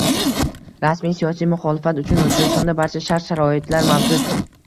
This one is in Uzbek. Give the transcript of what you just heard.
Rasmiy siyosiy muxolifat uchun O‘zbekistonda barcha shart-sharoitlar mavjud